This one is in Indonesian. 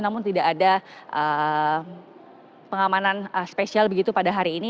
namun tidak ada pengamanan spesial begitu pada hari ini